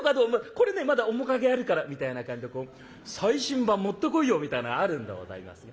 これねまだ面影あるから」みたいな感じで「最新版持ってこいよ」みたいなのあるんでございますが。